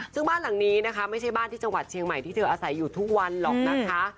ซึ่งบ้านหลังนี้นะคะไม่ใช่บ้านที่จังหวัดเชียงใหม่ที่เธออาศัยอยู่ทุกวันหรอกนะคะ